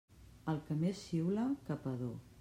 El que més xiula, capador.